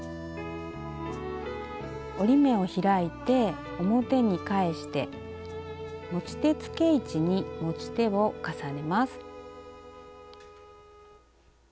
折り目を開いて表に返して持ち手つけ位置に持ち手を重ねます。